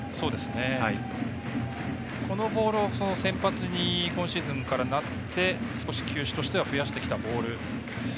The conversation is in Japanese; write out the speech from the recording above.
このボールを先発に今シーズンからなって少し、球種としては増やしてきたボール。